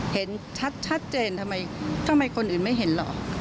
เห็นชัดเจนทำไมคนอื่นไม่เห็นหรอก